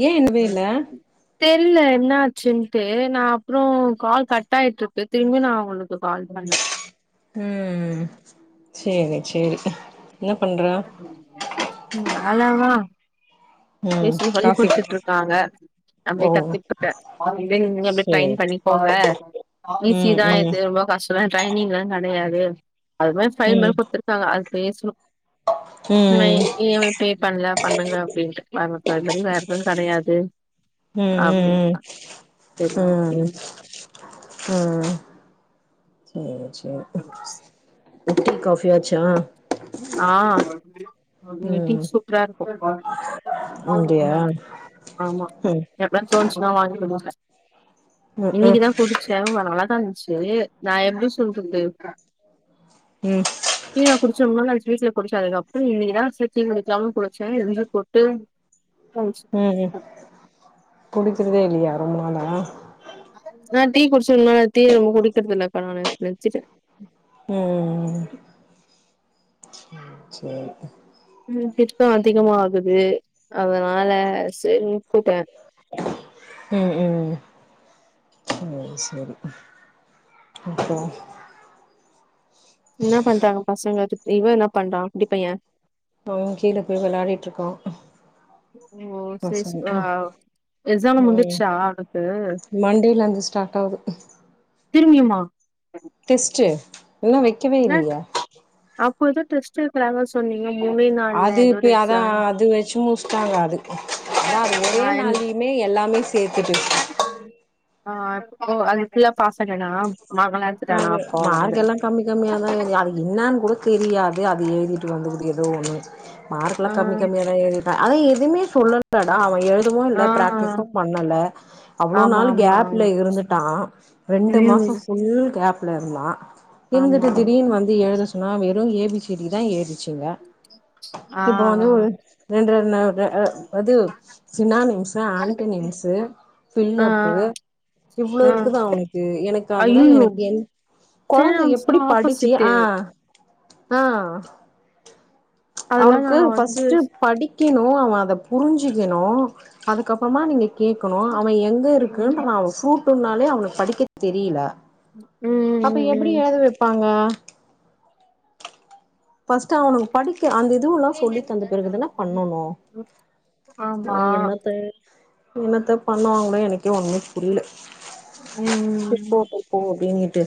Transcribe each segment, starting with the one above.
ஏ என்னவே இல்ல தெரில என்னா சின்ட்டு நா அப்புறோ கால் கட்டாய்ட்டிருக்கு திரும்பியும் நா அங்களுக்கு கால் பண்ண ம் சேரி சேரி என்ன பண்ற ம் அளவா ம் பேசும் சொல்லி காஃபி குடுத்துட்ருக்காங்க ஓ அப்டியே கத்துக்குட்டே அப்டே நீங்களு அப்டியே சேரி ட்ரெயின் பண்ணிப்போங்க ஈஸி ம் தா ம் இது ரொம்போ ஆக்சுலா எனக் ட்ரைனிங்லா கடையாது அது மாரி ஃபைல் ம் மாரி குடுத்திருக்காங்க அது பேசணும் ம் இன்னைக்கு இவ பே பண்ல பண்ணுங்க அப்டின்ட்டு வர [unintelligible] வேற எதும் கடையாது ம் ம் ம் அப்டிங்களா சரி ஓகே ம் சேரி [unintelligible] காஃபி ஆச்சா ஆ இங்க டீ ம் சூப்பரா இருக்கு அப்டியா ஆமா ஆமா ம் எப்பனு சொ ச்சுனா வாங்கிட்டு [unintelligible] ம் ம் இன்னைக்குதா குடிச்ச நல்லாதா இருந்துச்சு நா எப்டி சொல்றது ம் ம் பியப் [unintelligible] குடிச்ச அதுக்கப்புறம் இன்னிக்குதா [unintelligible] குளிச்சே ரெங்கு போட்டு ம் ம் குடிக்கிறதே இல்லையா ரொம்ப நாளா நா டீ குடிச்சே ரொம்ப நாள் டீயே ரொம்ப குடிக்கிறதில்லக்கா நானு நிறுத்திட்டே ம் ம் சரி ம் பித்தொ அதிகமா ஆகுது அதனால சரின்னு நுட்டுட்ட ம் ம் சரி அப்பறோ என்ன பண்றாங்க பசங்க சுட் இவெ என்ன பண்றான் குட்டிப்பைய இப்போ கீழ போய் வெளாடிட்டுருக்கா. ஓ சே சு ஆவ் எக்ஸாம்லா ம் முஞ்சுருச்சா உனக்கு மண்டேல இருந்து ஸ்டார்ட் ஆவுது. திரும்பியுமா டெஸ்ட்டு இன்னு வைக்கவே இல்லியா? ப்பெதோ டெஸ்ட் இருக்கிறாதா சொன்னீங்க மூணே நாள்ல எதோ ஒரு எக்ஸாம் தாங்காது அதா அது ஒரே ஆ என் நாள்லயுமே எல்லாமே சேத்துட்டு ஆ ஓ அதுக்குள்ள பாஸாய்ட்டனா அது மார்க்கெல்லா கம்மி கம்மியாதா க்கு அது என்னான் கூட தெரியாது அது எழுதிட்டு வந்துருக்கு எதோ ஒன்னு மார்க்லா ஆ கம்மி கம்மியாதா எழு கா அவெ எதுவுமே சொல்லலடா அவன் இப்ப எழுதவு ஆ இல்ல ப்ராக்டிஸும் பண்ணல அவ்ளோ ஆமா நாள் ஆமா கேஃப்ல இருந்துட்டா ரெண்டு மாசம் ம் ஃபுல் கேப்ல இருந்தா ஆமா இருந்துட்டு திடீர்னு வந்து எழுத சொன்னா வெறும் ஏ பி சி டி தா எழுதி சிங்கா ஆ இப்ப வந்து ஒரு ரெண்டு ரெண் நா அ அது சினானியம்ஸ் ஆன்டனியம் சு ஆ ஆ பிள்ளப்பு இவ்ளோ ஆ இருக்குதா அவனக்கு எனக்கு அதுதா ஐயையோ எனக் என் கொழந்த சேலம்ஸ்னா எப்டி படிச்சு ஆப்போசிட்டு ஆ ஆ அதெல்லா நா அவனுக்கு வந்து ஃபஸ்ட் படிக்கணு அவன் அத புரிஞ்சுிக்கணு அதுக்கப்பறமா நீங்க கேக்கணு அவன் எங்க இருக்குன்றத நா அவனு ஃப்ரூ ப் பண்ணாலே அவனுக்கு படிக்கத் தெரியல ம் அப்ப எப்டி ம் எழுத வைப்பாங்க? ஃபஸ்ட் அவனுக்கு படிக்க அந்த இதுவொல்லா சொல்லி தந்த பிறகுதான்னே பண்ணொணு ம் ஆமா நீ என்னத்த என்னத்த பண்ணுவாங்களோ எனக்கே ஒன்னுமே புரில ம் [unintelligible] ம் ம். அப்படின்னு இரு ட்டு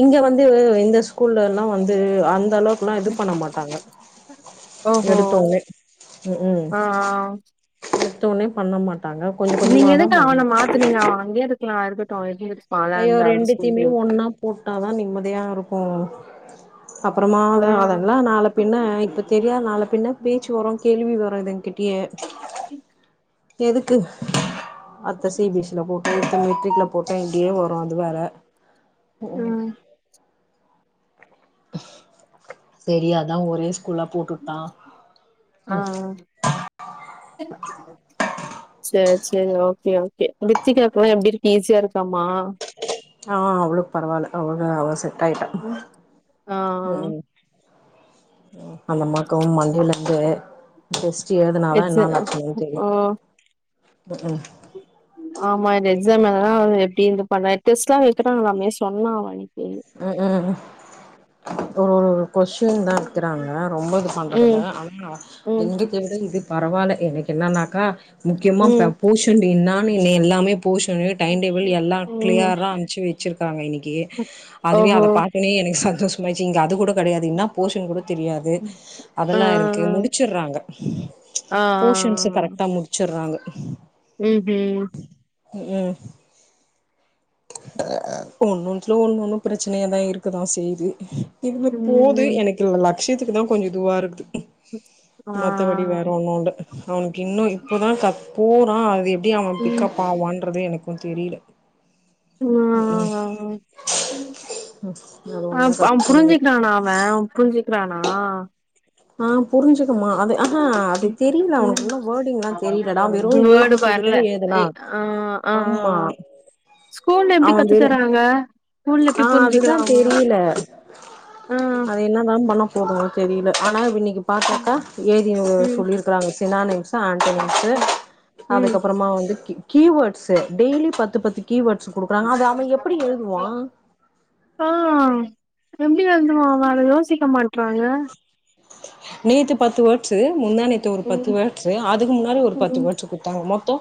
இங்க வந்து இந்த ஸ்கூல்ல எல்லா வந்து அந்த அளவுக் குல்லா இது பண்ண மாட்டாங்க ஓஹோ எடுத்தோனே ஆ அ த்தோனே பண்ண மாட் நீங்க எதுக்கு அவன மாத்துனீங்க அவ அங்கயே இருக்கலா இருக்கட்டு [unintelligible] ஐயோ அந்த அந்த ரெண்டுத்தையுமே ஸ்கூல்லயே ஒன்னா போட்டாதா நிம்மதியாருக்கு அப்பறமா அத ம் அதெல்லா நாள பின்ன இப்ப தெரியாது நாள பின்ன பேச்சு வரு கேள்வி வரு இதுங்க பிய எதுக்கு அத சி பி எஸ் சி ல போட்டு டு மெட்ரிக்ல போட்டே இப்டியே வரு அது வேற ம் சரி அதா ஒரே குள்ள போட்டுட்டான் ம் [unintelligible] செரி செரி ஓகே ஓகே வித்திக்காகெல்லாம் எப்பிடி இருக்கு ஈஸியா இருக்காமா ஆ அவுளுக்கு பரவால்ல அவள அவ செட் ஆயிட்டா ஆ ம் ம் ம் அந்தமாக்கு மண்டேயில இருந்து டெஸ்ட் எழுதுனாதான் எக்ஸ என்ன லட்சணனு தெரிய ம் ஹும் உ ஆமா எக்ஸாம் அதெல்லாம் எப்பிடி எழுத போற டெஸ்ட்லா இருக்கட்டு நாமே சொன்னா அன்னிக்கு அ அ ம் கொஷின் தான் கேக்குறாங்க ரொம்ப இது பண்றதில்ல ம் ஆனா ம் எங்ககிட்ட இது பரவால்ல இன்னிக்கு என்னன்னாக்கா முக்கியமா ப ம் போஷன்டே இல்லாம இல்லையை எல்லாமே போஷணு டைம் டேபிள் எல்லாம் ம் கிளியரா அமிச்சு வச்சிருக்கறாங்க இன்னிக்கு அதுவே ஓஹோ அத பாத்தோனே எனக்கு ச ச்சங்க அது கூட கெடையாது இன்னா போஷன் கூட தெரியாது ஆ அதெல்லாம் இருக்கு முடிச்சுடுறாங்க ஆ ஆ போஷன்ஸ கரெக்ட்டா முடிச்சுடுறாங்க ம் ம் ம் ம் ஹ ஒன்னு ஓன்னுட்டல ஒண்ணு ஒண்ணு பிரச்சனையாதான் இருக்குதான் செய்து எதுமே ம் போது ம் எனக்கு லட்சியத்துக்கு தான் கொஞ்சம் இதுவா இருக்கு ம் மத்தபடி வேற ஒன்னோ இல்ல அவனுக்கு இன்னும் இப்பதான் க போறான் அது எப்பிடி அவன் ம் பிக்கப் ஆ நா வான்றது எனக்கு தெரில அது ஆ அ ஒன்னுதா ப கஷ்டமா இருக்கு புரிஞ்சிக்கிறானா அவ அவ புரிஞ்சிக்கிறானா ஆ புரிஞ்சுக்குமா அது அ ஹா அப்டி தெரில அவுனுக்கு இன்னு வேர்டிங்லா தெரிலடா வெறு A word B C D தா வரல எ எழுதறா ஆ ஆ ஆ ஸ்கூல்ல எப்டி அவ கத்து வெறு தறாங்க ஸ்கூல்ல எப்டி ஆ அதுதா புரிஞ்சுக்கறாங்க தெரில அது என்னதா பண்ண போறமோ தெரில ஆனா இன்னைக் ம் பாத்தாக்கா எழுதினு வர ம் சொல்லிருக்கிறாங்க சினானிம்ஸு ஆன்ட்டனிம்ஸு ம் அதுக்கப்புறமா வந்து கீ கீவேர்ட்ஸு டெய்லி பத்து பத்து கீவேர்ட்ஸ் குடுக்குறாங்க அது அவ எப்படி எழுதுவா ஆ எப்டி எழுதுவா அவ அத யோசிக்க மாட்றாங்க நேத்து பத்து வேர்ட்ஸு முந்தா நேத்து ஒரு பத்து ம் வேர்ட்ஸு அதுக்கு முன்னாடி ஒரு பத்து ம் வேர்ட்ஸ் குடுத்தாங்க மொத்த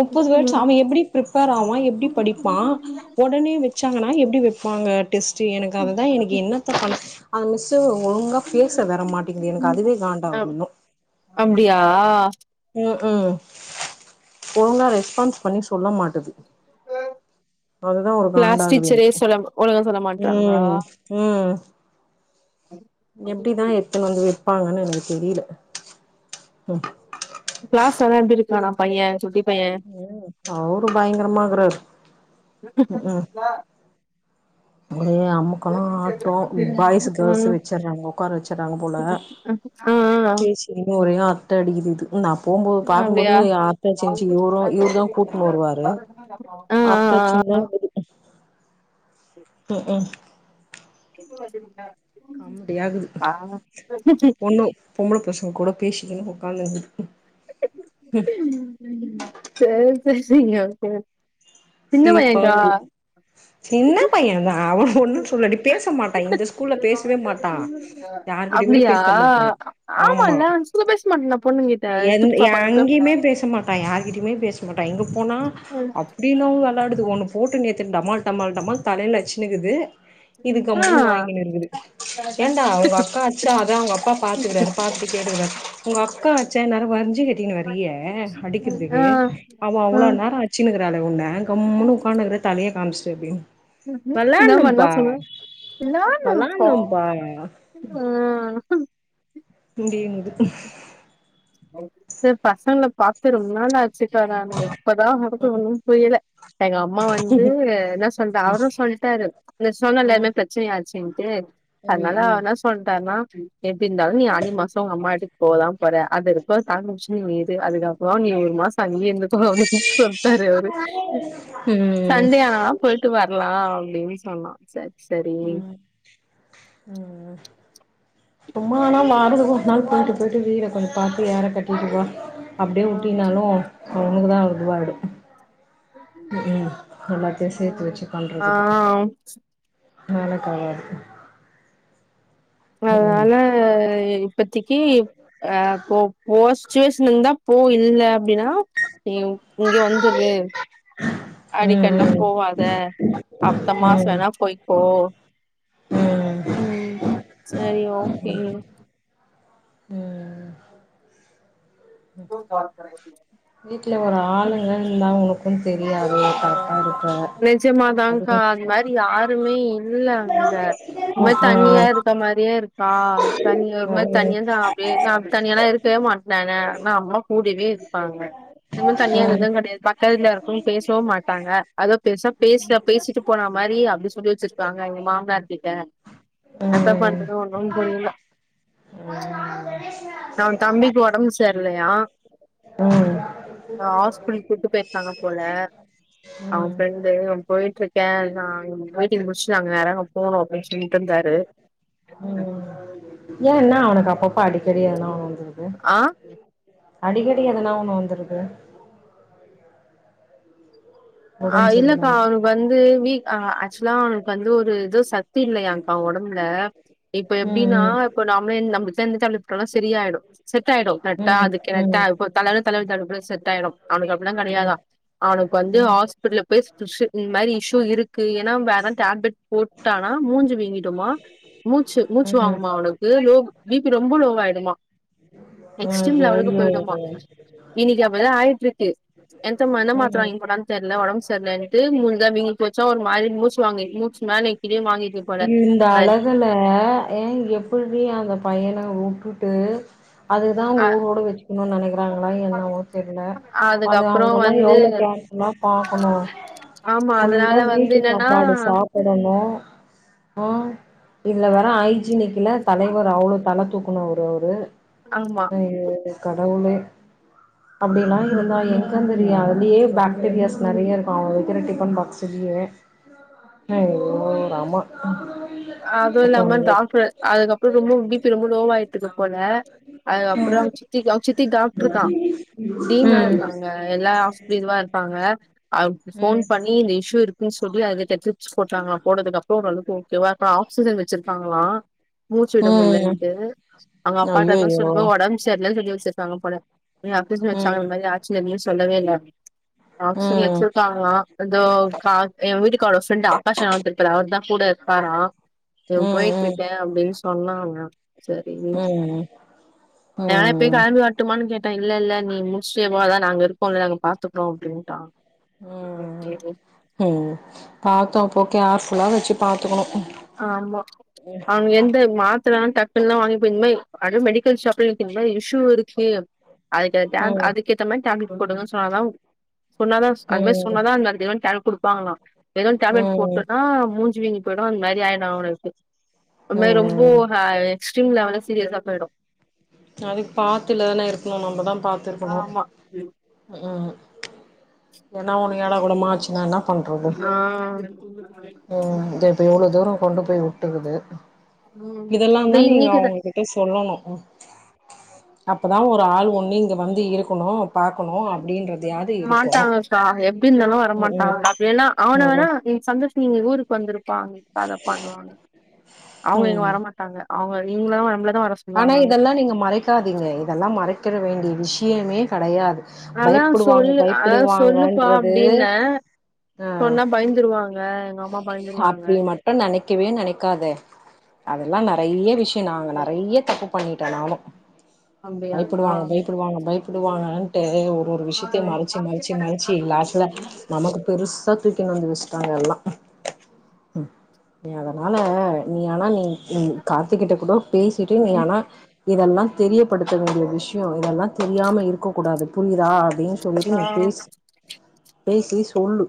முப்பது ம் அவ எப்டி ப்ரிப்பேர் ஆவா எப்டி படிப்பா ஒடனே வெச்சாங்கனா எப்டி வெ ப்பாங்க டெஸ்ட்டு எனக்கு அதுதா எனக்கு என்னத்த பண்ண அந்த மிஸ்ஸு ஒழுங்கா பேச வர மாட் அ அப்டியா ம் ம் ஒழுங்கா ரெஸ்பான்ஸ் பண்ணி சொல்ல மாட்டது அதுதா ஒரு கிளாஸ் காண்டாகுது டீச்சரே எனக்கு சொல்ல ஒழுங்கா சொல்ல மாட்றாங்களா ம் ம் எப்டிதா இத்தனய வெப்பாங்கன்னு எனக்கு தெரியல ம் கிளாஸ்லலா எப்டி இருக்கானா பைய சுட்டி ம் அவரு பயங்கரமா இருக்கறாரு ம் ம் ஒரே அமக்கள ஆட்டோ பாய்ஸ் கேர்ள்ஸ் ம் வெச்சர்றாங்க உக்கார வெச்சர்றாங்க போல அ ஆ ஆ செரி செரினு ஒரே அரட்ட அடிக்கிது இது ம் நா போம்போது பாக்கும்போது அப்டியா அர்ட்ட அச்சின்ச்சி இவுரும் இவுரு தா கூட்னு வருவாரு ஆ ஆ அர்ட்ட ஆ ஆச்சிண்ணுதா இருந்துது ம் ம் காமெடி ஆகுது பொண்ணு பொம்பள பசங்க கூட பேசிக்கனு உக்கானுக்குது ஹ்ம் ஹ்ம் செரி செரிங்க [unintelligible] சிப்பா வரு சின்ன பையந்தான் அவ ஒன்னு சொல்லடி பேச மாட்டான் இந்த ஸ்கூல்ல பேசவே மாட்டா யாருக்கிட்டயுமே அப்டியா பேச மாட்டே ஆமா ஆமால்ல சும்மா பேச மாட்டேனா பொண்ணுங்கிட்ட எ குட்டி பாப்பாங்கிட்ட அங்கேயுமே பேசமாட்டா யாருகிட்டயுமே பேசமாட்டா போனா அப்டி என்னமோ வெளாடுது ஒன்னு போட்டு நேட்டு டமால் டமால் டமால் தலையில அச்சினுக்குது ஆ இதுக்கம்முனு வாங்கினு இருக்குது ஏன்டா உங்க அக்கா அச்சா அதா அவுங்க அப்பா பாத்துக்குறாரு பாத்துட்டு கேட்டுக்குறாரு உங்க அக்கா அச்சா இன்நேரம் வருஞ்சிகட் டின்னு வரியே ஆ அடிக்கறதுக்கு ஆ அவஅவ்ளோ நேரம் அச்சினு இருக்காளே உன்ன உம்முனு உட்கானுக்குற தலைய காமிச்சுட்டு அப்டின்னு என்ன [unintelligible] வெளாட்ணும்ப்பா சொல்லு நானும் ப்பா வெளாட்ணும்ப்பா ஆ... உண்டியுங்குது ச பசங்கல பாத்து ரொம்ப நாளாச் [unintelligible] எப்பதான் [unintelligible] புரியல எங்க அம்மா வந்து என்ன சொல்ற அவரும் சொல்ட்டாரு அந்த சொன்னல ம் இந்த மாரி பிரச்சனை ஆயிடுச்சுன்ட்டு ம் அதனால அவ ம் என்ன சொன்ட்டருனா எப்டி இருந்தாலும் நீ ஆடி மாசம் உங்க அம்மா வீட்டுக்கு போகதான் போற அது [unintelligible] அதுக்க அப்றம் நீ ஒரு மாசம் அங்கயே [unintelligible] சொல்ட்டாரு அவரு ம் சண்டே ஆனா போயிட்டு வரலாம் அப்டின்னு சொன்னா சரி சரி ம் ம் ம் சும்மா ஆனா வாரத்து ஒரு நாள் போயிட்டு போயிட்டு வீட கொஞ்சம் பாத்து ஏற கட்டிட்டு வா அப்டியே ஆ உட்டினாலும் அது உனக்கு தான் இதுவாயிடும் உ ம் எல்லாத்தயும் சேத்து வச்சு ஆ பண்றதுக்கு ஆ வேலைக்காவாது அதனால இப்பத்திக்கு அ போ போஸ் சுஸ்வேஷன் இருந்தா போ இல்ல அப்டின்னா நீ இங்க வந்துரு ம் அடிக்கல்லாம் ம் போவாத அத்த மாசம் ம் வேணா போய்கோ ம் ம் செரி ஓகே ம் [unintelligible] வீட்ல ஒரு ஆளுங்க இருந்த உனக்கு தெரியாது கரெக்டா இருப்ப நிஜமாதான்கா அதுவு அந்த மாரி யாருமே இல் இல்ல அங்க ஒரு மாரி தனியா ம் இருக்க மாரியே இருக்கா தனி ஒரு மாரி ம் ம் தனிய தான் அப்டியே அப்ப தனியலா இருக்கவெ மாட்ட ஆனா அம்மா கூடவே இருப்பாங்க இந்த மாரி ஏ தனியா இருந்தது கெடையாது பக்கத்துல இருக்கும் பேசவும் மாட்டாங்க அதோ பெருசா பேசல பேசிட்டு போன மாரி அப்டி சொல்லி வச்சிருக்காங்க மாமனார்கிட்ட எனத்த பண்ணனும் ஒன்னு புரியல ந அவன் தம்பிக்கு உடம்பு சேரில்லயா ஆ ஹாஸ்பிடலு கூட்டு போயிருக்காங்க அ அவன் பிரெண்டு போயிட்டு இருக்கேன் [unintelligible] முடிச்ச நேரா அங்க போனும் அப்டின்னு சொல்லிட்டு இருந்தாரு ஏன் என்ன அவனுக்கு அப்பப்பா அடிக்கடி எதுனா ஒன்னு வந்துருது ஆ அடிக்கடி எதனா ஒண்ணு வந்துருது ஆ ஒடம்பு இல்லக்கா சரியில்லாம அவனுக்கு வந்து வீ ஆக்சுவலா அவனுக்கு வந்து ஒரு ஏதோ சத் தி இல்லையாங்க்கா அவ்வ ஒடம்புல இப்ப எப்டின்னா ம் இப்ப நாமளே நம்மளுக்கு [unintelligible] டேப்லெட் போட்ட செரி ஆய்டும் செட் ஆயிடும் கரெக்ட்டா ம் ம் அது கேட்ட ம் இப்ப தலை தலை தலைப்புல செட் ஆயிடு அவனுக்கு அப்டிலா ம் கிடையாதா அவனுக்கு வந்து ம் ஆச இப்ப இதுல போய் ஸ்ட்ரிஷு இந்த மாரி இஷ்யூ இருக்கு ஏன்னா வேறதா டேப்லெட் போட்டானா மூஞ்சு வீங்கிடுமா மூச்சு மூச்சு ம் ம் வாங்குமா அவனுக்கு லோ பிபி ரொம்ப லோவாயிடுமா எக்ஸ்ட்ரீம் லெவலுக்கு ஐயோ போயிடுமா இன்னைக்கு அப்டிதா ஆயிட்டு டு எந்த மா என்ன மாத்ர ம் வாங்கி போட்டான்னு தெர்ல உடம்பு செர்லன்ட்டு முஞ்ச வீக்கி போச்சு சோரு மாரி மூச்சு வாங்கி மூச்சு மேலயு கீழயு வாங்கிக்கு போல இந்த அ எப்பிட்ரி அந்த பையன உட்டுட்டு அதுதா அவுங்க அ ஊரோட வெச்சுக்கணுனு நெனைக்கிறாங்களா என்னமோ தெர்ல அது அதுக்கப்புறோ அவுங்கல்லா வந்து எவ்ளோ கா எப்பினா பாக்கணு ஆமா அதுனால ஃபுல்லா வந்து வீட்டு என்னன் சாப்பாடு சாப்பிடணு ஆ இதுல வேற ஐஜிக்ல தலைவர் அவ்ளோ தலை தூக்கு நா ஒரு ஒரு ஆமா ஐயோ கடவுளே [unintelligible] யோ ஐயோ ராமா அதுல்லாம டாக்ட்ரு அதுக்கப்றொ ரொம்ப பிபி ரொம்ப லோவாயிட்டுக்கு போல அது அப்றம் சித்திக்கு அவ் சித்தி டாக்ரு தா டீன் ஆ ம் இருப்பாங்க எல்லா ஹாஸ்பிளீ மா இருப்பாங்க அவுங் போன் ம் பண்ணி இந்த இஷு இருக் ப்பின் சொல்லி அது தட்டச்சு போட்டாங்ளா போட்டதுக்கப்றோ ஓர் அளவுக்கு ஓகோவ இப் ஆக்சிஜன் வச்சிருக்காங்ளா மூச்சு விட ம் முலன்ட்டூ அங்க அப்பாட்ட தா ஐயையோ சொல்வோ ஒடம் சேர்லன் சொல்லி வச்சிருக்காங்க போல நீ அபீசு வச்சாங்க ம் இந் மாரி ஆச்சு என்மி சொல்லவே இல்ல அப்டின் ஆக்ல் ம் ம் வச்சிருக்காங்ளா எண்டோ க எ வீட்டுக்கார் ஒ ஃப்ரெண்ட ஆகாஷ் ன ஒர்தர் இர்ப்பார் அவர்தா கூட இருக்காரா இவ்ன் ம் போய்ட்ருக்கே அப்டின் சொன்னானா சரி ம் நா இப்பி ம் கெளம்பி வர்டுமான் கேட் டே இல்ல இல்ல நீ முட்ஷு போதா நாங்க இருப்போ இல்ல நாங்க பாத்துக்றோ அப்டின்ட்டா ம் ம் பாத்தா போக் கேர்ஃபுல்லா வச்சு பாத்துக்கணு ஆமா அவுங் எந்த மா ட்றான் டக்குலா வாங்கி போய் இந்மேயி அடு மெடிக்கல் ஷாப்பில் தி இந் மாயி இஷ்யூ இருக்கு அதுக்கு டேப் ம் அதுக்கேத்த மாயி டேப்லெட் கொடுங்கன் சொன்னாதா சொன்னாதா ஸ் அத் மாயி ம் சொன்னாதா அந் அதுக்கு ஏத டேப்லட் கொடுப்பாங்ளா ஏதான் டேப்லட் ம் போட்டுன்னா மூஞ்சிவீங்கி பெதோ அந் மாரி ஆய்டோ அவனுக்கு அந்மார் ரொம்போ ம் ஹாய் ஸ்ட்ரீம் லவல சீரியஸா போயிடு அதுக் பாத்துலனே இருக்ணு நம்பதான் பாத்து இருக்குணு ஆமா ம் எனா ஒண்ணு ஏடா கூடமா ஆச்சுனா என்னாப் பண்றுது ஆ ம் துப்ப எவ்ளோ தூரோ கொண்டு போய் வுட்டுக்குது ம் இதெல்லாந் இது தா நீங்க இன்னைக்குதா அவங்ககிட்ட சொல்லணு அப்பதா ஒரு ஆள் ஒண்ணு இங்க வந்து இருக்கணு பாக்கணு அப்டின்றதையாவது இருக்கு மாட்டாங்கக்கா எப்டி இருந்தாலும் வர ம் ம் மாட்டாங்கக்கா அப்டினா அவன அதா வேணா இ வஸ் நீங்க ஊருக்கு வந்துருப்பா அத பண்ணுவாங்க அவுங்க இங்க ம் வர மாட்டாங்க அவுங்க இவுங்ளு அவங்ளத் ஆனா இதெல்லா நீங்க மறைக்காதீங்க இதெல்லா மறைக்கிற வேண்டிய விஷ்யமே கெடையாது ஆனா பயப்படுவாங்க சொல்லு அதா சொல்லுப்பா பயப்படுவாங்கன்றது அப்டின்னே சொன்னா பயந்துருவாங்க எங்க அம்மா பயந்துருவாங்க அப்படி மட்டும் நினைக்கவே நினைக்காதே அதெல்லா நறைய விஷயம் நாங்க நறைய தப்பு பண்ணிட்டேன் நானு அப்டியா பயப்பிடுவாங்க பயப்பிடுவாங்க பயப்ப விடுவானட்டு ஒரு ஒரு விஷயத்த மறைச்சு மறைச்சு மறைச்சு லாஸ்ட்ல நமக்கு பெருசா தூகினு வந்து வச்சுட்டாங்க எல்லா நீ அதனால நீ ஆனா நீ ம் கார்த்திகிட்ட கூட பேசிட்டுே நீ ஆனா இதெல்லா தெரியப்படுத்த வேண்டிய விஷயம் இதெல்லாம் தெரியாம இருக்க கூடாது புரியுதா அப்படின்னு சொல்லிட்டு நீ பேச பேசி சொல்லு